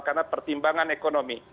karena pertimbangan ekonomi